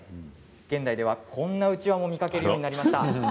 現代では、こんなうちわも見かけるようになりました。